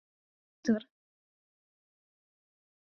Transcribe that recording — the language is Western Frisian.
Enter.